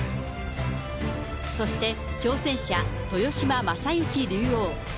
そして、挑戦者、豊島将之竜王。